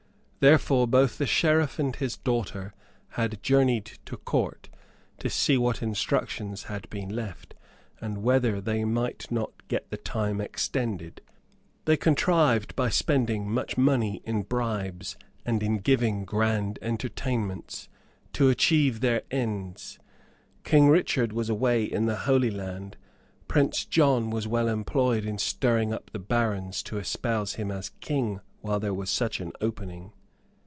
Therefore, both the Sheriff and his daughter had journeyed to Court to see what instructions had been left, and whether they might not get the time extended. They contrived by spending much money in bribes, and in giving grand entertainments, to achieve their ends. King Richard was away in the Holy Land. Prince John was well employed in stirring up the barons to espouse him as King while there was such an opening.